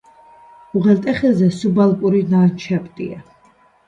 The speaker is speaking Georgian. უღელტეხილზე სუბალპური ლანდშაფტია.